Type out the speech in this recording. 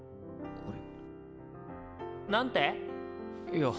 いや。